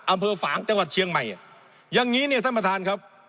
ฝางจังหวัดเชียงใหม่อย่างนี้เนี่ยท่านประธานครับ